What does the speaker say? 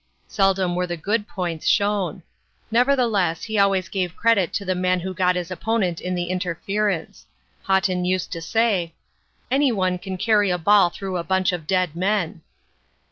Seldom were the good points shown. Nevertheless, he always gave credit to the man who got his opponent in the interference. Haughton used to say: "'Any one can carry a ball through a bunch of dead men.'